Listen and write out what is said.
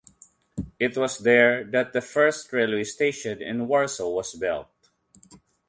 It was there that the first railway station in Warsaw was built.